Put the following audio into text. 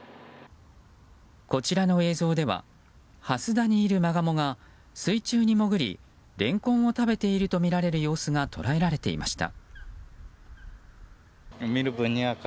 こちらの映像ではハス田にいるマガモが水中にもぐり、レンコンを食べているとみられる様子が捉えられていました。